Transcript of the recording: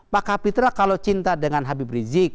pak kapitra kalau cinta dengan habib rizik